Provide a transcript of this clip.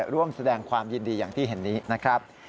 ร่วมแสดงความยินดีอย่างที่เห็นนี้นะครับ